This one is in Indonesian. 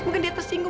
mungkin dia tersenyum